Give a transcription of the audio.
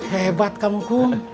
hebat kamu kum